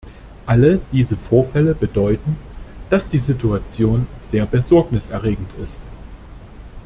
Alle diese Vorfälle bedeuten, dass die Situation sehr Besorgnis erregend ist.